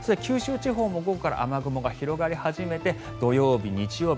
九州地方も午後から雨雲が広がり始めて土曜日、日曜日